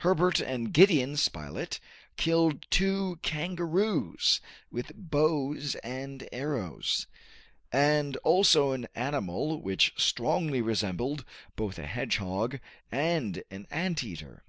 Herbert and Gideon Spilett killed two kangaroos with bows and arrows, and also an animal which strongly resembled both a hedgehog and an ant eater.